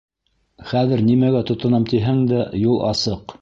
Хәҙер нимәгә тотонам тиһәң дә, юл асыҡ.